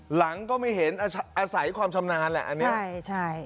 หลังก็ไม่เห็นอาศัยความชำนาญแหละอันนี้ใช่ใช่